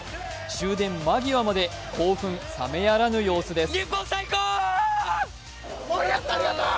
終電間際まで興奮冷めやらぬ様子です。